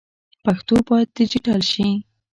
پښتو باید ډيجيټل سي.